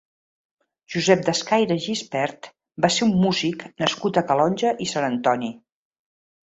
Josep Descaire i Gispert va ser un músic nascut a Calonge i Sant Antoni.